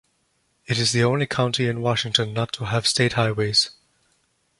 It is the only county in Washington not to have state highways.